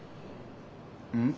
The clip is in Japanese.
うん？